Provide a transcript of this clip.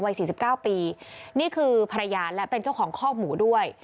วัย๔๙ปีนี่คือพระยานและเป็นเจ้าของข้อกหมูด้วย